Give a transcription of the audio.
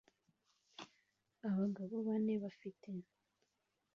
Abagabo bane bafite